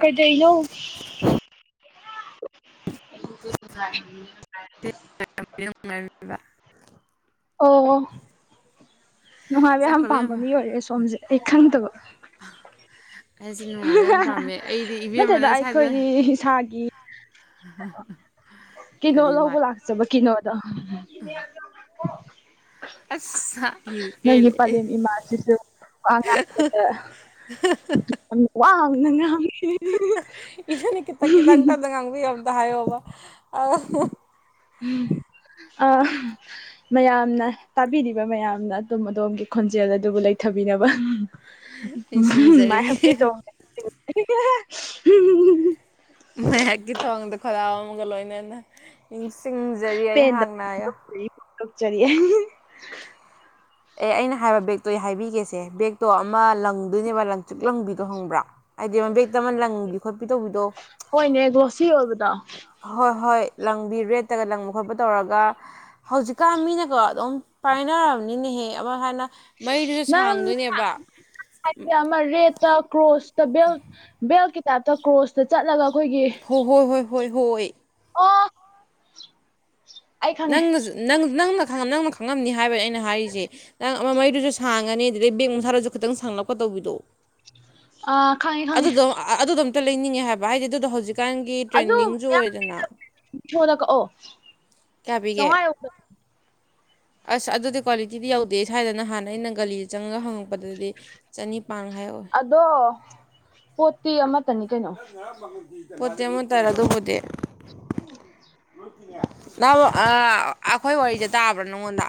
ꯀꯩꯗꯩꯅꯣ ꯍꯧꯖꯤꯛ June July June July [unintelligible] ꯑꯣ ꯅꯨꯡꯉꯥꯏꯕ ꯆꯠꯈ꯭ꯔꯣ ꯌꯥꯝ ꯄꯥꯝꯕ ꯏꯕꯦꯝꯃ ꯃꯤ ꯑꯣꯏꯔꯦ ꯁꯣꯝꯁꯦ ꯑꯩ ꯈꯪꯗꯕ ꯑꯩꯁꯦ ꯅꯨꯡꯉꯥꯏꯕ ꯌꯥꯝ ꯄꯥꯝꯃꯦ ꯑꯩꯗꯤ ꯅꯠꯇꯗ ꯏꯕꯦꯝꯃꯅ ꯁ꯭ꯋꯥꯏꯁꯦ ꯑꯩꯈꯣꯏꯒꯤ ꯏꯁꯥꯒꯤ ꯑꯍꯍ ꯀꯤꯅꯣ ꯂꯧꯕ ꯂꯥꯛꯆꯕ ꯀꯤꯅꯣꯗꯣ [unintelligible] ꯑꯁ ꯏ ꯅꯣꯢꯒꯤ ꯄꯦꯜꯂꯛꯑꯦ ꯄꯂꯦꯝ ꯏꯃꯥꯁꯤꯁꯨ ꯋꯥꯉꯥꯡꯕꯗꯒ ꯌꯥꯝ ꯋꯥꯡꯅ ꯉꯥꯡꯉꯤ [unintelligible] ꯏꯊꯟꯅꯤ ꯈꯤꯇꯪ ꯈꯤꯇꯪ ꯇꯞꯅ ꯉꯥꯡꯕ ꯌꯥ ꯑꯝꯇ ꯍꯥꯢꯌꯣꯕ [unintelligible] [unintelligible] ꯑꯥ ꯃꯌꯥꯝꯅ ꯇꯥꯕꯤꯔꯤꯕ ꯃꯌꯥꯝꯅ ꯑꯗꯣꯝ ꯑꯗꯣꯝꯒꯤ ꯈꯣꯟꯖꯦꯜ ꯑꯗꯨꯕꯨ ꯂꯩꯊ ꯕꯤ ꯅꯕ ꯅꯤꯡꯁꯤꯡꯖꯔꯤ [unintelligible] ꯃꯥꯏꯌꯦꯞꯀꯤ ꯊꯣꯡꯗ ꯈꯣꯜꯂꯥꯎ ꯑꯝꯒ ꯂꯣꯏꯅꯅ ꯅꯤꯡꯁꯤꯡꯖꯔꯤ ꯑꯩꯍꯥꯛꯅ ꯌꯣ ꯂꯨꯛꯆꯔꯤ [unintelligible] ꯑꯦ ꯑꯩꯅ ꯍꯥꯏꯕ ꯕꯦꯛꯇꯣ ꯑꯩ ꯍꯥꯏꯕꯤꯒꯦꯁꯦ ꯕꯦꯛꯇꯣ ꯑꯃ ꯂꯪꯗꯣꯏꯅꯦꯕ ꯂꯪꯇ꯭ꯔꯤꯛ ꯂꯪꯕꯤꯗꯣ ꯈꯪꯕ꯭ꯔꯥ ꯍꯥꯏꯗꯤ ꯑꯃ ꯕꯦꯛꯇ ꯑꯃ ꯂꯪꯕꯤ ꯈꯣꯠꯄꯤ ꯇꯧꯕꯤꯗꯣ ꯍꯣꯏꯅꯦ ꯒ꯭ꯂꯣꯁꯤ ꯑꯣꯏꯕꯗꯣ ꯍꯣꯏ ꯍꯣꯏ ꯂꯪꯕꯤ ꯔꯦꯠꯇꯒ ꯂꯪꯕ ꯈꯣꯠꯄ ꯇꯧꯔꯒ ꯍꯧꯖꯤꯛꯀꯥꯟ ꯃꯤꯅꯒ ꯑꯗꯨꯝ ꯄꯥꯏꯅꯔꯕꯅꯤꯅꯦꯍꯦ ꯑꯃ ꯍꯥꯏꯅ ꯃꯩꯗꯨꯁꯨ ꯅꯪꯅ ꯁꯥꯡꯗꯣꯏꯅꯦꯕ ꯍꯥꯢꯁꯦ ꯑꯃ ꯔꯦꯠꯇ ꯀ꯭ꯔꯣꯁꯇ ꯕꯦꯜ ꯕꯦꯜꯀꯤ ꯇꯥꯏꯞꯇ ꯀ꯭ꯔꯣꯁꯇ ꯆꯠꯂꯒ ꯈꯣꯏꯒꯤ ꯍꯣ ꯍꯣꯏ ꯍꯣꯏ ꯍꯣꯏ ꯍꯣꯏ ꯑꯣ ꯑꯩ ꯈꯪꯉꯦ ꯅꯪꯅ ꯖꯨ ꯅꯪ ꯅꯪꯅ ꯈꯪꯉ ꯅꯪꯅ ꯈꯪꯉꯝꯅꯤ ꯍꯥꯏꯕꯩ ꯑꯩꯅ ꯍꯥꯏꯔꯤꯖꯦ ꯅꯪ ꯑꯣ ꯃꯔꯤꯗꯨꯁꯨ ꯁꯥꯡꯉꯅꯤ ꯑꯗꯨꯗꯩꯩ ꯕꯦꯛ ꯃꯁꯥꯗꯨꯁꯨ ꯈꯤꯇꯪ ꯁꯥꯡꯂꯞꯀ ꯇꯧꯕꯤꯗꯣ ꯑ ꯈꯪꯉꯦ ꯈꯪꯉꯦ ꯇꯨ ꯂꯩꯅꯤꯡꯉꯦ ꯍꯥꯏꯕ ꯍꯥꯏꯗꯤ ꯑꯗꯨꯗꯣ ꯍꯧꯖꯤꯛꯀꯥꯟꯒꯤ ꯇ꯭ꯔꯦꯟꯗꯤꯡꯁꯨ ꯑꯣꯏꯗꯅ ꯐꯣꯟꯗ ꯀꯛꯑꯣ ꯀꯌꯥ ꯄꯤꯒꯦ ꯆꯧꯉꯥ ꯌꯧꯗꯝ ꯑꯁ ꯑꯗꯨꯗꯤ ꯀ꯭ꯋꯥꯂꯤꯇꯤꯗꯤ ꯌꯧꯗꯦ ꯁꯥꯏꯗ ꯅꯍꯥꯟ ꯑꯩꯅ ꯒꯂꯤꯗ ꯆꯪꯉꯒ ꯍꯪꯉ ꯄꯗꯗꯤ ꯆꯅꯤꯄꯥꯟ ꯍꯥꯢꯍꯧꯋꯦ ꯥꯗꯤ ꯑꯃꯠꯇꯅꯤ ꯀꯩꯅꯣ ꯄꯣꯠꯇꯤ ꯑꯃꯠꯇꯔ ꯑꯗꯨꯕꯨꯗꯤ ꯅꯥꯎ ꯑ ꯑꯈꯣꯏ ꯋꯥꯔꯤꯁꯦ ꯇꯥꯕ꯭ꯔꯥ ꯅꯪꯉꯣꯟꯗ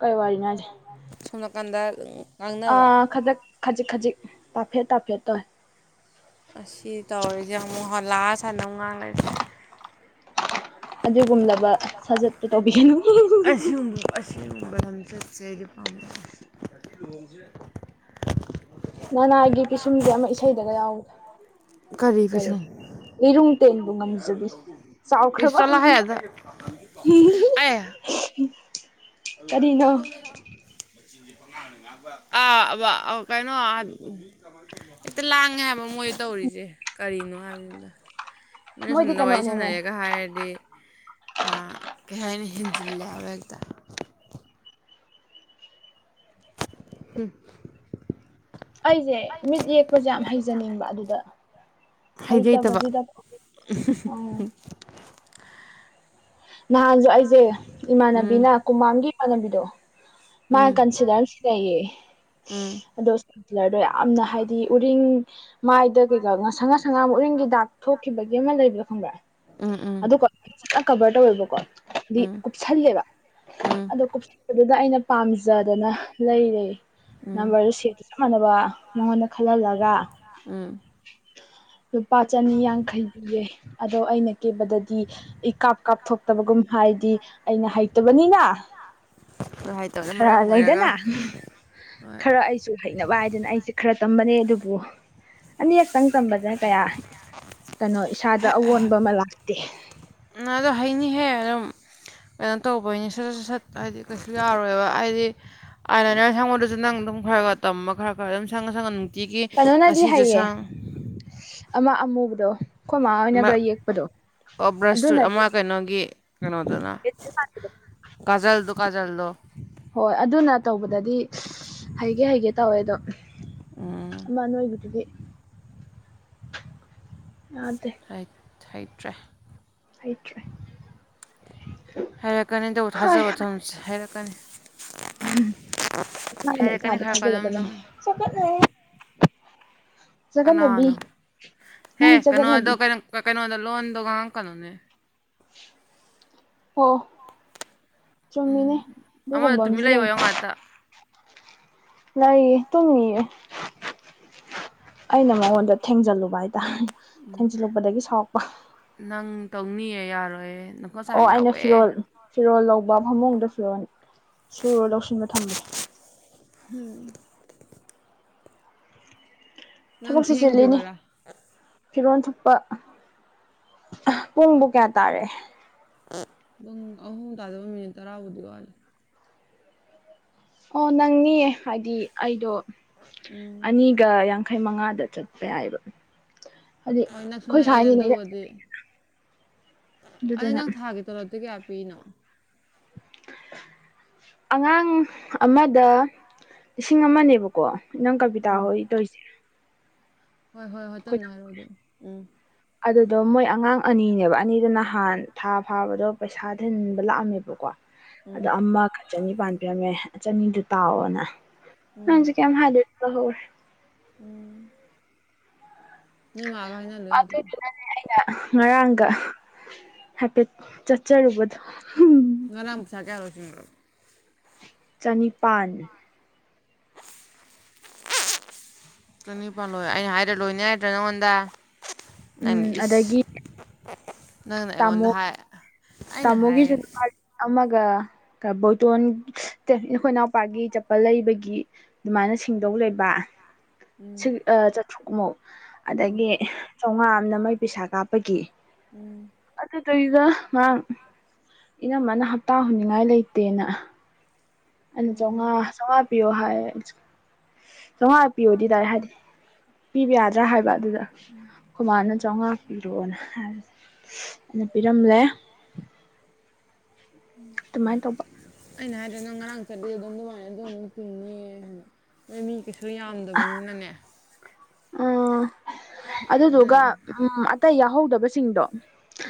ꯀꯩ ꯋꯥꯔꯤꯅꯣ ꯍꯥꯏꯁꯦ ꯁꯣꯝ ꯅꯥꯀꯟꯗ ꯉꯥꯡꯅꯕ ꯑꯥ ꯈꯗꯛ ꯈꯖꯤꯛ ꯈꯖꯤꯛ ꯇꯥꯐꯦꯠ ꯇꯥꯐꯦꯠ ꯇꯧ ꯑꯁꯤ ꯇꯧꯔꯤꯁꯦ ꯑꯃꯨꯛ ꯍꯜ ꯂꯥꯛꯑ ꯁ꯭ꯋꯥꯢꯗ ꯑꯃꯨꯛ ꯉꯥꯡ ꯂꯩꯔꯦ ꯑꯗꯨꯒꯨꯝꯂꯕ ꯁꯥꯖꯠꯇꯨ ꯇꯧꯕꯤꯒꯅꯨ ꯑꯁꯤꯌꯨꯝ ꯑꯁꯤꯒꯨꯝꯕ ꯂꯝꯆꯠꯁꯦ ꯑꯩꯗꯤ ꯄꯥꯝ ꯂꯣꯡꯁꯦ [inaudible] ꯅꯅꯥꯢꯒꯤ ꯄꯤꯁꯨꯝꯁꯦ ꯑꯃ ꯏꯁꯩꯗꯒ ꯌꯥꯎꯕꯗ ꯀꯔꯤ ꯂꯤꯔꯨꯡ ꯇꯦꯟ ꯖꯕꯤ ꯏꯁ ꯆꯥꯎꯈ꯭ꯔꯕ ꯆꯠꯂꯣꯍꯦ ꯑꯗ ꯑꯦ [unintelligible] ꯀꯔꯤꯅꯣ ꯑ ꯑꯕ ꯑꯧ ꯀꯩꯅꯣ ꯍꯦꯛꯇ ꯂꯥꯡꯉꯦ ꯍꯥꯏꯕ ꯃꯣꯏ ꯇꯧꯔꯤꯁꯦ ꯀꯔꯤꯅꯣ ꯍꯥꯏꯝꯅꯤꯗ ꯃꯤ ꯃꯣꯏꯗꯤ ꯁꯣꯝꯗ ꯋꯥꯔꯤ ꯀꯩꯅꯣꯅꯦꯃꯦ ꯁꯥꯟꯅꯩꯌꯦꯒ ꯍꯥꯏꯔꯗꯤ ꯑ ꯀꯩꯍꯥꯏꯅꯤ ꯍꯦꯟꯖꯤꯟꯂꯦ ꯍꯥꯢꯕ ꯍꯦꯛꯇ [unintelligible] ꯑꯩꯖꯦ ꯃꯤꯠ ꯌꯦꯛꯄꯁꯦ ꯌꯥꯝ ꯍꯩꯖꯅꯤꯡꯕ ꯑꯗꯨꯗ ꯍꯩꯖꯩꯇꯕ ꯍꯩꯇꯕꯖꯤꯗ [unintelligible] ꯑ ꯅꯍꯥꯟꯁꯨ ꯑꯩꯖꯦ ꯎꯝ ꯏꯃꯥꯟꯅꯕꯤꯅ ꯀꯨꯃꯥꯝꯒꯤ ꯏꯃꯥꯟꯅꯕꯤꯗꯣ ꯃꯥ ꯎꯝ ꯀꯟꯁꯤꯂꯔ ꯑꯃ ꯁꯤꯅꯩꯌꯦ ꯎꯝ ꯑꯗꯣ ꯀꯂꯔꯗꯣ ꯌꯥꯝꯅ ꯍꯥꯏꯗꯤ ꯎꯔꯤꯡ ꯃꯥꯏꯗ ꯀꯩꯀꯥ ꯉꯁꯪ ꯉꯁꯪ ꯉꯥꯡ ꯎꯔꯤꯡꯒꯤ ꯗꯥꯛ ꯊꯣꯛꯈꯤꯕꯒꯤ ꯑꯃ ꯂꯩꯕꯗꯣ ꯈꯪꯕ꯭ꯔ ꯎꯝ ꯎꯝ ꯑꯗꯣ ꯀ ꯐꯖꯟꯅ ꯀꯚꯔ ꯇꯧꯋꯦꯕꯀꯣ ꯗꯤ ꯎꯝ ꯀꯨꯞꯁꯤꯜꯂꯦꯕ ꯎꯝ ꯑꯗꯣ ꯀꯨꯞꯁꯟꯕꯗꯨꯗ ꯑꯩꯅ ꯄꯥꯝꯖꯗꯅ ꯂꯩꯔꯦ ꯎꯝ ꯅꯝꯕꯔꯗꯨ ꯁꯦꯞ ꯆꯞ ꯃꯥꯟꯅꯕ ꯅꯉꯣꯟꯗ ꯈꯜꯍꯜꯂꯒ ꯎꯝ ꯂꯨꯄꯥ ꯆꯅꯤ ꯌꯥꯡꯈꯩ ꯄꯤꯌꯦ ꯑꯗꯣ ꯑꯩꯅ ꯀꯦꯕꯗꯗꯤ ꯏꯀꯥꯞ ꯀꯥꯞꯊꯣꯛꯇꯕꯒꯨꯝ ꯍꯥꯏꯗꯤ ꯑꯩꯅ ꯍꯩꯇꯕꯅꯤꯅ ꯅꯨꯡꯉꯥꯏꯇꯕꯖꯤꯅ ꯃꯔꯝ ꯈꯔ ꯑꯣꯏꯔꯒ ꯂꯩꯗꯅ ꯍꯣꯏ ꯈꯔ ꯑꯩꯁꯨ ꯍꯩꯅꯕ ꯍꯥꯏꯗꯅ ꯑꯩꯁꯦ ꯈꯔ ꯇꯝꯕꯅꯦ ꯑꯗꯨꯕꯨ ꯑꯅꯤꯔꯛꯇꯪ ꯇꯝꯕꯗꯅ ꯀꯌꯥ ꯀꯩꯅꯣ ꯏꯁꯥꯗ ꯑꯑꯣꯟꯕ ꯑꯃ ꯂꯥꯛ ꯇꯦ ꯅ ꯑꯗꯣ ꯍꯩꯅꯤꯍꯦ ꯑꯗꯨꯝ ꯀꯩꯅꯣ ꯇꯧꯕꯩꯅꯤ ꯁꯠ ꯁꯠ ꯁꯠ ꯍꯥꯏꯗꯤ ꯀꯩꯁꯨ ꯌꯥꯔꯣꯏꯕ ꯍꯥꯏꯗꯤ ꯑꯥꯏ ꯂꯥꯏꯅꯔ ꯁꯪꯕꯗꯨꯁꯨ ꯅꯪ ꯑꯗꯨꯝ ꯈꯔ ꯈꯔ ꯇꯝꯕ ꯈꯔ ꯈꯔ ꯑꯗꯨꯝ ꯁꯪꯉꯍ ꯁꯪꯉ ꯆꯤꯒꯤ ꯀꯩꯅꯣꯅꯗꯤ ꯉꯁꯤꯁꯨ ꯍꯩꯌꯦ ꯁꯪ ꯑꯃ ꯑꯃꯨꯕꯗꯣ ꯃꯥ ꯑꯃ ꯍꯣꯏꯅꯒ ꯌꯦꯛꯄꯗꯣ ꯑꯣ ꯕ꯭ꯔꯁꯇꯨꯠ ꯑꯗꯨꯅꯗꯤ ꯑꯃ ꯀꯩꯅꯣꯒꯤ ꯀꯩꯅꯣꯗꯨꯅ ꯀꯥꯖꯜꯗꯣ ꯀꯥꯖꯜꯗꯣ ꯍꯣꯏ ꯑꯗꯨꯅ ꯇꯧꯕꯗꯗꯤ ꯍꯩꯒꯦ ꯍꯩꯒꯦ ꯇꯧꯋꯦ ꯑꯗꯣ ꯑ ꯑꯗꯤ ꯇꯥꯗꯦ ꯍꯩ ꯍꯩꯇ꯭ꯔꯦ ꯍꯥꯏꯔꯛꯀꯅꯤ ꯇ ꯊꯥꯖꯕ ꯊꯝꯁꯦ ꯍꯥꯏꯔꯛꯀꯅꯤ ꯃꯥꯅꯤ ꯍꯩꯔꯛꯀꯅꯤ ꯏꯁꯥꯗ ꯈꯔ ꯈꯔ ꯑꯗꯨꯝ ꯊꯥꯖꯒꯗꯕꯅꯤ ꯑꯗꯨꯝ ꯆꯕꯠꯅꯩꯍꯦ ꯀꯅꯥꯅꯣ ꯍꯦ ꯅꯪ ꯀꯩꯅꯣꯗꯣ ꯆꯒꯠꯅꯕꯤ ꯀꯩꯅꯣ ꯀꯩꯅꯣꯗꯣ ꯂꯣꯟꯗꯣ ꯉꯥꯡꯉꯛꯀꯅꯨꯅꯦ ꯑꯣ ꯆꯨꯝꯃꯤꯅꯦ ꯑꯃꯗ ꯑꯗꯨꯒꯨꯝꯕ ꯇꯨꯃꯤꯟ ꯑꯃꯁꯨ ꯂꯩ ꯂꯩꯕ ꯉꯥꯛꯇ ꯂꯩꯌꯦ ꯇꯨꯝꯃꯤꯌꯦ ꯑꯩꯅ ꯃꯉꯣꯟꯗ ꯊꯦꯡꯖꯤꯜꯂꯨꯕ ꯍꯥꯏꯇꯥꯔꯦ ꯊꯦꯡꯖꯤꯜꯂꯨꯄꯗꯒꯤ ꯁꯥꯎꯔꯛꯄ ꯅꯪ ꯇꯧꯅꯤꯌꯦ ꯌꯥꯔꯣꯏꯌꯦ ꯅꯈꯣꯠꯁꯥ ꯑꯣ ꯌꯥꯝ ꯑꯩꯅ ꯌꯥꯎꯋꯦ ꯐꯤꯔꯣꯜ ꯐꯤꯔꯣꯜ ꯂꯧꯕ ꯐꯃꯨꯡꯗ ꯐꯤꯔꯣꯜ ꯁꯨꯔꯣ ꯂꯧꯁꯤꯟꯕ ꯊꯝꯕꯅꯦ ꯍꯨꯝ ꯅꯪ ꯊꯦꯡꯗ꯭ꯔꯤꯕꯔꯥ ꯐꯤꯔꯣꯟ ꯊꯨꯞꯄ ꯑꯣ ꯄꯨꯡꯕꯨ ꯀꯌꯥ ꯇꯥꯔꯦ ꯄꯨꯡ ꯑꯍꯨꯝ ꯇꯥꯗꯕ ꯃꯤꯅꯤꯠ ꯇꯔꯥꯕꯨꯗꯤ ꯋꯥꯠꯂꯤ ꯑꯣ ꯅꯪꯅꯤ ꯍꯥꯏꯗꯤ ꯑꯩꯗꯣ ꯎꯝ ꯑꯅꯤꯒ ꯌꯥꯡꯈꯩ ꯌꯥꯡꯈꯩ ꯃꯉꯥꯗ ꯆꯠꯄ ꯌꯥꯏꯑꯕ ꯑꯣ ꯅꯛꯁꯨ ꯅꯛꯑꯦꯅ ꯗꯨꯕꯨꯗꯤ ꯑꯗ ꯑꯗꯨꯗꯨꯅ ꯅꯪ ꯊꯥꯒꯦ ꯇꯣꯂꯣꯟꯇꯤ ꯀꯌꯥꯄꯤꯅꯣ ꯑꯉꯥꯡ ꯑꯃꯗ ꯂꯤꯁꯤꯡ ꯑꯃꯅꯦꯕꯀꯣ ꯅꯪ ꯀꯕꯤꯇꯥ ꯎꯝ ꯍꯣꯏ ꯇꯧꯋꯤꯁꯦ ꯍꯣꯏ ꯍꯣꯏ ꯍꯣꯏ ꯇꯞꯅ ꯍꯥꯏꯔꯛꯑꯣ ꯑꯗꯨ ꯎꯝ ꯑꯗꯨꯗꯣ ꯃꯣꯏ ꯑꯉꯥꯡ ꯑꯅꯤꯅꯦꯕ ꯑꯅꯤꯗꯨ ꯅꯍꯥꯟ ꯊꯥ ꯐꯥꯕꯗꯣ ꯄꯩꯁꯥ ꯊꯤꯟꯕ ꯂꯥꯛꯑꯝꯃꯦꯕꯀꯣ ꯎꯝ ꯑꯗꯣ ꯑꯃꯒ ꯆꯅꯤꯄꯥꯟ ꯄꯤꯔꯝꯃꯦ ꯆꯅꯤꯗꯨ ꯇꯥꯎꯑꯣꯅ ꯑꯩꯅꯁꯩ ꯀꯦꯝ ꯍꯥꯏꯗ꯭ꯔꯦ ꯑꯗꯨꯝ ꯂꯧꯍꯧꯔꯦ ꯎꯝ ꯅꯣ ꯃꯥꯒ ꯍꯏꯅꯍꯜꯂꯨ ꯌꯥꯗ꯭ꯔꯣ ꯑꯗꯨꯗꯨꯅꯅꯦ ꯉꯔꯥꯡꯒ ꯍꯥꯏꯐꯦꯠ ꯆꯠꯆꯔꯨꯕꯗꯣ ꯉꯥꯔꯪ ꯄꯩꯁꯥ ꯀꯌꯥ ꯂꯣꯏꯁꯤꯒ꯭ꯔꯕ ꯆꯅꯤꯄꯥꯟ ꯆꯅꯤꯄꯥꯥꯟꯜ ꯂꯣꯏ ꯑꯩꯅ ꯍꯥꯏꯗ꯭ꯔ ꯂꯣꯏꯅꯤ ꯍꯥꯏꯗ꯭ꯔ ꯅꯪꯉꯣꯟꯗ ꯅꯪꯅ ꯎꯝ ꯏꯁ ꯑꯗꯒꯤ ꯅꯪꯅ ꯑꯩꯉꯣꯟꯗ ꯍꯥꯏ ꯑꯩꯅ ꯇꯃꯣꯒꯤꯁꯨ ꯍꯥꯏ ꯂꯨꯄ ꯂꯤꯁꯤꯡ ꯑꯃꯒ ꯕꯣꯏꯇꯣꯟ ꯅꯠꯇꯦ ꯏꯈꯣꯏ ꯏꯅꯥꯎꯄꯥꯒꯤ ꯆꯄꯜ ꯂꯩꯕꯒꯤ ꯑꯗꯨꯃꯥꯏꯅ ꯁꯤꯡꯗꯧ ꯂꯩꯕ ꯆꯥꯇ꯭ꯔꯨꯛꯃꯨꯛ ꯑꯗꯒꯤ ꯆꯧꯉꯥ ꯑꯃꯅ ꯃꯩ ꯄꯩꯁꯥ ꯀꯥꯞꯄꯒꯤ ꯑꯗꯨ ꯗꯩꯗ ꯉꯥꯡ ꯏꯅꯝꯃꯅ ꯍꯞꯇꯥ ꯍꯨꯅꯤꯡꯉꯥꯏ ꯂꯩꯇꯦꯅ ꯑꯅꯤ ꯆꯧꯉꯥ ꯆꯧꯉꯥ ꯄꯤꯌꯣ ꯍꯥꯏ ꯆꯧꯉꯥ ꯄꯤꯌꯣꯗꯤ ꯗꯥꯏꯔꯦꯛ ꯍꯥꯏꯗꯤ ꯄꯤꯕ ꯌꯥꯗ꯭ꯔꯥ ꯍꯥꯏꯕ ꯑꯗꯨꯗ ꯑꯈꯣꯏ ꯃꯥꯅ ꯆꯧꯉꯥ ꯄꯤꯔꯛꯣꯑꯣꯅ ꯍꯥꯏꯕ ꯑꯩꯅ ꯄꯤꯔꯝꯂꯦ ꯗꯨꯃꯥꯏꯅ ꯇꯧꯕ ꯑꯩꯅ ꯍꯥꯏꯗ꯭ꯔꯅꯪ ꯉꯔꯥꯡ ꯆꯠꯂꯤꯗꯣ ꯑꯗꯨꯝ ꯑꯗꯨꯃꯥꯏꯅ ꯑꯗꯨꯝ ꯑꯃꯨꯛ ꯇꯤꯡꯅꯤꯌꯦ ꯍꯥꯏ ꯃꯤ ꯀꯩꯁꯨ ꯌꯥꯝꯗꯕꯅꯤꯅꯅꯦ ꯑꯥ ꯑꯗꯨ ꯑꯗꯨꯗꯨꯒ ꯎꯝ ꯑꯇꯩ ꯌꯥꯎꯍꯧꯗꯕꯁꯤꯡꯗꯣ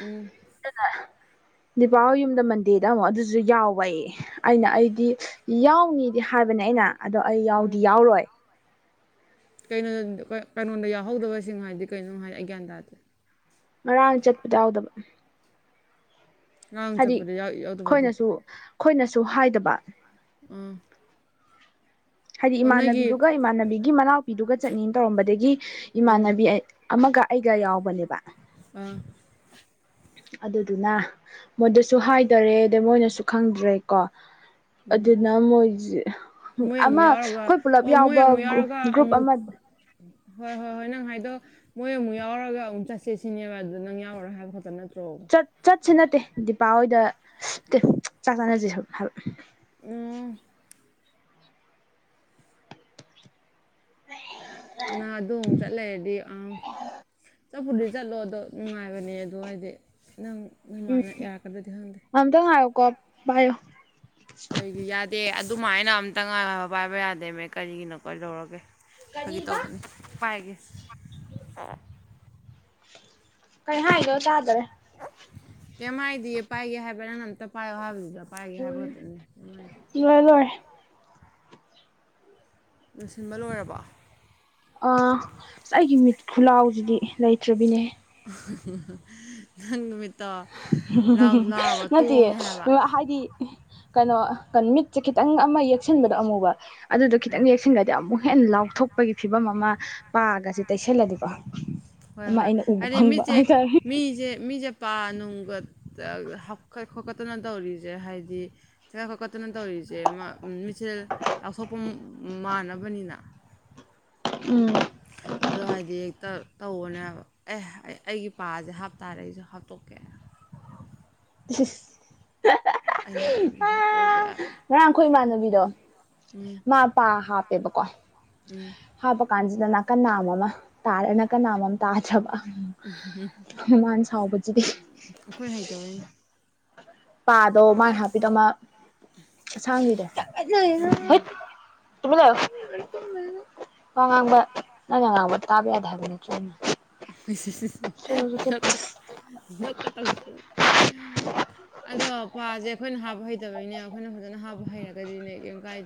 ꯎꯝ [inaudible] ꯗꯤꯄꯥ ꯍꯣꯏ ꯌꯨꯝꯗ ꯃꯟꯗꯦꯗ ꯑꯃꯨꯛ ꯑꯗꯨꯁꯨ ꯌꯥꯎꯋꯣꯌꯦ ꯑꯩꯅ ꯑꯩꯗꯤ ꯌꯥꯎꯅꯤꯗꯤ ꯍꯥꯏꯕꯅꯦ ꯑꯩꯅ ꯑꯗꯣ ꯑꯩ ꯌꯥꯎꯗꯤ ꯎꯝ ꯌꯥꯎꯔꯣꯏ ꯀꯩꯅꯣ ꯀꯩꯅꯣꯗ ꯌꯥꯎꯍꯧꯗꯕꯁꯤꯡ ꯍꯥꯏꯗꯤ ꯀꯩꯅꯣ ꯅꯪ ꯍꯥꯏꯗꯤ ꯑꯩ ꯒ꯭ꯌꯥꯟ ꯇꯥꯗꯦ ꯉꯔꯥꯡ ꯆꯠꯄꯗ ꯌꯥꯎꯗꯕ ꯉꯔꯥꯡ ꯍꯥꯏꯗꯤ ꯆꯠꯄꯗ ꯌꯥꯎ ꯌꯥꯎꯗꯕ ꯍꯥꯏꯗꯤ ꯑꯈꯣꯏꯅꯁꯨ ꯑꯈꯣꯏꯅꯁꯨ ꯍꯥꯏꯗꯕ ꯎꯝ ꯍꯥꯏꯗꯤ ꯏꯃꯥꯟꯅꯕꯤꯗꯨꯒ ꯏꯃꯥꯟꯅꯕꯤꯒꯤ ꯃꯅꯥꯎꯄꯤꯗꯨꯒ ꯆꯠꯅꯤꯅ ꯇꯧꯔꯝꯕꯗꯒꯤ ꯎꯝ ꯏꯃꯥꯟꯅꯕꯤ ꯑꯃꯒ ꯑꯩꯒ ꯌꯥꯎꯕꯅꯦꯕ ꯑꯥ ꯑꯗꯨꯗꯨꯅ ꯃꯣꯏꯗꯁꯨ ꯍꯥꯏꯗ꯭ꯔꯦ ꯑꯗꯩ ꯃꯣꯏꯅꯁꯨ ꯈꯪꯗ꯭ꯔꯦꯀꯣ ꯑꯗꯨꯅ ꯃꯣꯏꯁꯦ ꯃꯣꯏ ꯑꯃꯨꯛ ꯑꯃ ꯌꯥꯎꯔꯒ ꯑꯈꯣꯏ ꯄꯨꯂꯞ ꯑꯣ ꯃꯣꯏ ꯌꯥꯎꯕ ꯑꯃꯨꯛ ꯌꯥꯎꯔꯒ ꯒ꯭ꯔꯨꯞ ꯑꯃꯨꯛ ꯑꯃ ꯍꯣꯏ ꯍꯣꯏ ꯍꯣꯏ ꯅꯪ ꯍꯥꯏꯗꯣ ꯃꯣꯏ ꯑꯃꯨꯛ ꯌꯥꯎꯔꯒ ꯑꯃꯨꯛ ꯆꯠꯁꯦ ꯁꯤꯅꯦꯕ ꯑꯗꯨꯗ ꯅꯪ ꯌꯥꯎꯔꯔꯣꯏ ꯍꯥꯏꯕ ꯈꯠꯇ ꯅꯠꯇꯣ ꯆꯠ ꯆꯠꯁꯤ ꯅꯠꯇꯦ ꯗꯤꯄꯥ ꯍꯣꯏꯗ ꯅꯠꯇꯦ ꯆꯥꯛ ꯆꯥꯅꯁꯦ ꯁꯨꯝ ꯍꯥꯏꯕ ꯑꯣ ꯅꯪ ꯑꯗꯨ ꯑꯃꯨꯛ ꯆꯠꯂꯩꯔꯗꯤ ꯑꯥ ꯆꯠꯄꯨꯗꯤ ꯆꯠꯂꯣ ꯑꯗꯣ ꯅꯨꯡꯉꯥꯏꯕꯅꯦ ꯑꯗꯨ ꯍꯥꯏꯗꯤ ꯅꯪ ꯅꯃꯥꯟꯅ ꯌꯥꯔꯛꯀꯗ꯭ꯔꯗꯤ ꯈꯪꯗꯦ ꯀꯣ ꯄꯥꯏꯌꯣ ꯀꯔꯤꯗꯤ ꯌꯥꯗꯦ ꯑꯗꯨꯃꯥꯏꯅ ꯑꯝꯇ ꯉꯥꯏꯕ ꯄꯥꯏꯕ ꯌꯥꯗꯦꯃꯦ ꯀꯔꯤꯒꯤꯅꯣ ꯀꯩꯗꯧꯔꯒꯦ ꯐꯥꯒꯤ ꯇꯧꯕꯅꯤ ꯄꯥꯏꯒꯦ ꯀꯩꯍꯥꯏꯅꯣ ꯇꯗ꯭ꯔꯦ [inaudible] ꯀꯩꯝ ꯍꯥꯏꯗꯤꯌꯦ ꯄꯥꯏꯒꯦ ꯍꯥꯏꯕ ꯅꯪꯅ ꯑꯝꯇ ꯄꯥꯏꯌꯣ ꯍꯥꯏꯕꯗꯨꯗ ꯄꯥꯏꯒꯦ ꯍꯥꯏꯕ ꯈꯛꯇꯅꯦ ꯀꯩꯝ ꯍꯥꯏꯗꯦ ꯂꯣꯏꯔꯦ ꯂꯣꯏꯔꯦ ꯂꯣꯏꯁꯤꯟꯕ ꯂꯣꯏꯔꯕꯣ ꯑꯥ ꯑꯁ ꯑꯩꯒꯤ ꯃꯤꯠ ꯈꯨꯂꯥꯎꯁꯤꯗꯤ ꯂꯩꯇ꯭ꯔꯕꯤꯅꯦ ꯍꯦ ꯍꯥꯍꯥꯍꯥ ꯅꯪ ꯅꯨꯃꯤꯠ ꯍꯥꯍꯥꯍꯥꯍꯥ ꯅꯠꯇꯤꯌꯦ ꯇꯣꯡꯉꯦ ꯍꯥꯏꯕ ꯎꯝ ꯍꯥꯏꯗꯤ ꯀꯩꯅꯣ ꯃꯤꯠꯁꯦ ꯈꯤ ꯈꯤꯇꯪ ꯑꯃ ꯌꯦꯛꯁꯤꯟꯕꯗꯣ ꯑꯃꯨꯕ ꯑꯗꯨꯗꯣ ꯈꯤꯇꯪ ꯌꯦꯛꯁꯤꯟꯒꯔꯗꯤ ꯑꯃꯨꯛ ꯍꯦꯟꯅ ꯂꯥꯎꯊꯣꯛꯄꯒꯤ ꯐꯤꯕꯝ ꯑꯃ ꯍꯥ ꯄꯥꯒꯁꯤ ꯇꯩꯁꯜꯂꯗꯤꯀꯣ ꯍꯣꯏ ꯑꯃ ꯍꯣꯏ ꯑꯩꯅ ꯎꯕ ꯍꯥꯏꯗꯤ ꯐꯪꯕ ꯃꯤꯠꯁꯦ ꯍꯥꯏꯇꯥꯔꯦ ꯃꯤꯖꯦ ꯃꯤꯖꯦ ꯄꯥꯥ ꯅꯨꯡꯒ ꯍꯥꯞꯀꯠ ꯈꯣꯠꯀꯠꯇꯅ ꯇꯧꯔꯤꯁꯦ ꯍꯥꯏꯗꯤ ꯍꯞꯀꯠ ꯈꯣꯠꯇꯅ ꯇꯧꯔꯤꯁꯦ ꯎꯝ ꯑꯃ ꯃꯤꯠꯁꯦ ꯂꯥꯎꯊꯣꯛꯄ ꯃꯥꯟꯅꯕꯅꯤꯅ ꯎꯝ ꯑꯗꯨ ꯍꯥꯏꯗꯤ ꯇꯥ ꯇꯧꯕꯅꯦ ꯍꯥꯏꯕ ꯑꯦ ꯑꯩ ꯑꯩꯒꯤ ꯄꯁꯦ ꯍꯥꯞꯇꯥꯔ ꯑꯩꯁꯨ ꯍꯥꯞꯇꯣꯛꯀꯦ ꯏꯁꯏꯁ ꯑꯩꯅꯄꯤ ꯍꯥꯞꯄꯧꯒꯦ ꯉꯔꯥꯡ ꯑꯩꯈꯣꯏ ꯏꯃꯥꯟꯅꯕꯤꯗꯣ ꯃꯥ ꯄꯥ ꯍꯥꯞꯄꯦꯕꯀꯣ ꯎꯝ ꯍꯥꯞꯄ ꯀꯥꯟꯁꯤ ꯗ ꯅꯥꯀꯟ ꯅꯥꯝꯃ ꯑꯃ ꯇꯥꯔ ꯅꯥꯀꯟ ꯅꯥꯝꯃ ꯑꯃ ꯇꯥꯗ꯭ꯔꯕ ꯎꯝ ꯍꯝꯍꯝ ꯁꯥꯎꯕꯖꯤꯗꯤ ꯑꯈꯣꯏ ꯍꯩꯇꯕꯩꯅꯦ ꯄꯥꯗꯣ ꯃꯥꯅ ꯍꯥꯞꯄꯤꯗꯣ ꯑꯃꯥ ꯑꯁꯥꯡꯕꯤꯗꯣ ꯍꯩꯠ ꯇꯨꯃꯤꯟ ꯂꯩꯌꯣ ꯃꯤ ꯉꯥꯛꯇ ꯊꯨꯝꯕꯁꯤꯗ ꯋꯥ ꯉꯥꯡꯕ ꯅꯪꯅ ꯉꯥꯡꯕ ꯇꯥꯕ ꯌꯥꯗꯦ ꯍꯥꯏꯕ ꯅꯠꯇ꯭ꯔꯣ ꯑꯩꯅ ꯏꯁ ꯏꯁ ꯏꯁ ꯆꯣ ꯆꯣ ꯐꯁ ꯆꯠꯄꯤꯌꯨ ꯗꯞꯀꯥ ꯗꯞꯀꯥ ꯇꯧꯗꯅ ꯑꯗꯣ ꯄꯥꯁꯦ ꯑꯈꯣꯏꯅ ꯍꯥꯞꯄ ꯍꯩꯇꯕꯩꯅꯦ ꯑꯈꯣꯏꯅ ꯐꯖꯅ ꯍꯥꯞꯄ ꯍꯩꯔꯒꯗꯤꯅꯦ ꯀꯦꯝ ꯀꯥꯏ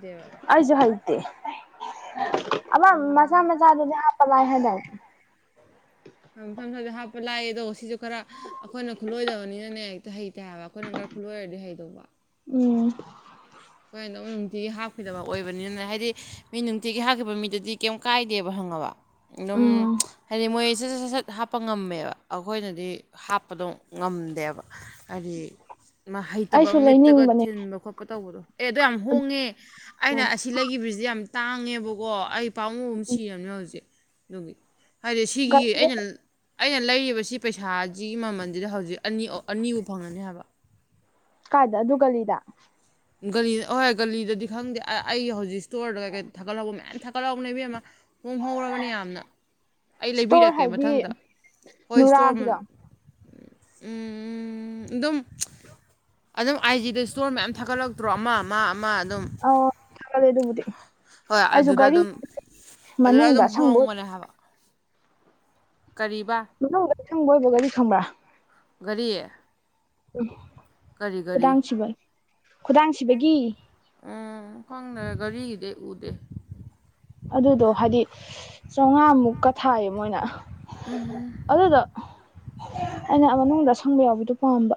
ꯑꯩꯖꯨ ꯍꯩꯇꯦ ꯑꯃ ꯃꯆꯥ ꯃꯆꯥꯗꯨꯗꯤ ꯍꯥꯞꯄ ꯂꯥꯏ ꯍꯥꯏꯗꯥꯏꯅꯦ ꯑꯝ ꯃꯆꯥ ꯃꯆꯥꯗꯣ ꯍꯥꯞꯄ ꯂꯥꯏꯌꯦꯗꯣ ꯁꯤꯁꯨ ꯈꯔ ꯑꯈꯣꯏꯅ ꯈꯨꯠꯂꯣꯏꯗꯕꯅꯤꯅꯅꯦ ꯍꯦꯛꯇ ꯍꯩꯇꯦ ꯍꯥꯏꯕ ꯑꯈꯣꯏꯅ ꯪꯒꯥ ꯈꯨꯠꯂꯣꯏꯔꯗꯤ ꯍꯩꯗꯧꯕ ꯎꯝ ꯈꯣꯏꯅꯗꯨꯝ ꯅꯨꯡꯇꯤꯒꯤ ꯍꯥꯞꯈꯤꯗꯕ ꯑꯣꯏꯕꯅꯤꯅꯅꯦ ꯍꯥꯏꯗꯤ ꯃꯤ ꯅꯨꯡꯇꯤꯒꯤ ꯍꯥꯞꯈꯤꯕ ꯃꯤꯗꯨꯗꯤ ꯀꯩꯝ ꯀꯥꯏꯗꯦꯕ ꯈꯪꯉꯥꯕ ꯑꯗꯨꯝ ꯎꯝ ꯍꯥꯏꯗꯤ ꯃꯣꯏ ꯁꯠ ꯁꯠ ꯁꯠ ꯁꯠ ꯍꯥꯞꯄ ꯉꯝꯃꯦꯕ ꯑꯈꯣꯏꯅꯗꯤ ꯍꯥꯞꯄꯗꯣ ꯗꯨꯝ ꯉꯝꯗꯦꯕ ꯍꯥꯏꯗꯤ ꯃꯥ ꯍꯩꯇꯕ ꯑꯩꯁꯨ ꯃꯤꯠꯇꯒ ꯂꯩꯅꯤꯡꯕꯅꯦ ꯊꯤꯟꯕ ꯈꯣꯠꯄ ꯇꯧꯕꯗꯣ ꯑꯦ ꯑꯗꯨ ꯌꯥꯝ ꯍꯣꯡꯉꯦ ꯑꯩꯅ ꯑꯗꯨꯗꯣ ꯑꯁꯤ ꯂꯩꯒꯤꯕꯁꯤꯗꯤ ꯌꯥꯝ ꯇꯥꯡꯉꯦꯕꯀꯣ ꯑꯩ ꯄꯥꯃꯨꯕꯅ ꯁꯤꯔꯕꯅꯦ ꯍꯧꯖꯤꯛ ꯑꯗꯨꯒꯤ ꯍꯥꯏꯗꯤ ꯁꯤꯒꯤ ꯒꯂꯤꯗ ꯑꯩꯅ ꯑꯩꯅ ꯂꯩꯔꯤꯕ ꯁꯤ ꯄꯩꯁꯥꯁꯤꯒꯤ ꯃꯃꯜꯁꯤꯗ ꯍꯧꯖꯤꯛ ꯑꯅꯤ ꯑꯣ ꯑꯅꯤꯕꯨ ꯐꯪꯉꯅꯤ ꯍꯥꯏꯕ ꯀꯥꯏꯗ ꯑꯗꯨ ꯒꯂꯤꯗ ꯒꯂꯤꯗ ꯑꯍꯣꯏ ꯒꯂꯤꯗꯗꯤ ꯈꯪꯗꯦ ꯑꯩ ꯍꯧꯖꯤꯛ ꯁ꯭ꯇꯣꯔꯗ ꯀꯩꯀꯩ ꯊꯥꯒꯠꯂꯛꯄ ꯃꯌꯥꯝ ꯊꯥꯒꯠꯍꯧꯕꯅꯦ ꯏꯕꯦꯝꯃ ꯍꯣꯡꯍꯧꯔꯕꯅꯤ ꯌꯥꯝꯅ ꯑꯩ ꯏꯁꯇꯣꯔ ꯂꯩꯕꯤꯔꯛꯀꯦ ꯍꯥꯏꯗꯤ ꯃꯊꯪꯗ ꯍꯣꯏ ꯏꯁꯇꯣꯔ ꯎꯝ ꯅꯨꯔꯥꯒꯤꯗꯣ ꯎꯝ ꯑꯗꯨꯝ ꯑꯗꯨꯝ ꯑꯥꯏꯖꯤꯗ ꯏꯁꯇꯣꯔ ꯃꯌꯥꯝ ꯊꯥꯒꯠꯂꯛꯇ꯭ꯔꯣ ꯑꯃ ꯑꯃ ꯑꯃ ꯑꯗꯨꯝ ꯑꯣ ꯊꯥꯒꯠꯂꯦ ꯑꯗꯨꯕꯨꯗꯤ ꯍꯣꯏ ꯑꯩꯁꯨ ꯑꯗꯨꯗ ꯒꯥꯔꯤ ꯑꯗꯨꯝ ꯑꯗꯨꯗ ꯃꯅꯨꯡꯗ ꯑꯗꯨꯝ ꯑꯁꯪꯕ ꯑꯣꯏ ꯍꯣꯡꯕꯅꯦ ꯍꯥꯏꯕ ꯀꯔꯤꯕ ꯃꯅꯨꯡꯗ ꯑꯁꯪꯕ ꯑꯣꯏꯕ ꯒꯥꯔꯤ ꯈꯪꯕ꯭ꯔꯥ ꯒꯥꯔꯤ [inaudible] ꯀꯔꯤ ꯘꯔꯤ ꯈꯨꯗꯥꯡ ꯁꯤꯕ ꯈꯨꯗꯥꯡ ꯁꯤꯕꯒꯤ ꯎꯝ ꯈꯪꯗꯦ ꯘꯔꯤꯒꯤꯗꯤ ꯑꯩ ꯎꯗꯦ ꯆꯧꯉꯥ ꯃꯨꯛꯀ ꯊꯥꯏꯌꯦ ꯃꯣꯏꯅ ꯑꯗꯨꯗꯣ ꯑꯩꯅ ꯃꯅꯨꯡꯗ ꯑꯁꯪꯕ ꯌꯥꯎꯕꯗꯨ ꯄꯥꯝꯕ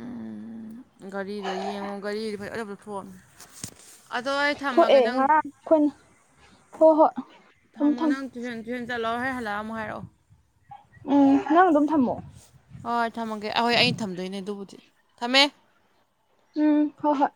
ꯎꯝ ꯘꯔꯤꯗꯣ ꯌꯦꯡꯉꯣ ꯘꯔꯤꯗꯤ ꯐꯖ ꯐꯖꯕ ꯊꯣꯛꯑꯝꯅꯦ ꯑꯗꯣ ꯑꯩ ꯊꯝꯃꯒꯦ ꯊꯣꯛꯑꯦ ꯅꯪ ꯉꯔꯥꯡ ꯑꯩꯈꯣꯏꯅ ꯍꯣꯏ ꯍꯣꯏ ꯊꯝꯃꯣ ꯅꯪ ꯇꯨꯏꯁꯟ ꯊꯦꯛ ꯆꯠꯂꯣ ꯍꯣꯔꯦꯟ ꯍꯜꯂꯥ꯫ꯑ ꯑꯃꯨꯝ ꯍꯥꯏꯔꯛꯑꯣ ꯎꯝ ꯅꯪ ꯑꯗꯨꯝ ꯊꯝꯃꯣ ꯍꯣꯏ ꯊꯝꯃꯒꯦ ꯑꯍꯣꯏ ꯑꯩ ꯊꯝꯗꯣꯏꯅꯦ ꯑꯗꯨꯕꯨꯗꯤ ꯊꯝꯃꯦ ꯎꯝ ꯍꯣ ꯍꯣꯏ